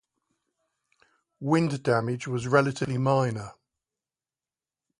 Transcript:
Wind damage was relatively minor.